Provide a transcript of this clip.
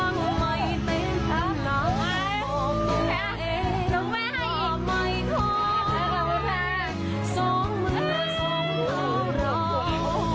น้องของใหม่น้องของฟรู